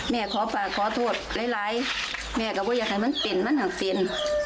แม่ขอปากขอโทษไร้แม่กับว่าอยากให้มันเป็นมันหาเป็น